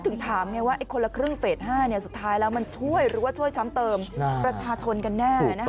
ถึงถามไงว่าคนละครึ่งเฟส๕สุดท้ายแล้วมันช่วยหรือว่าช่วยซ้ำเติมประชาชนกันแน่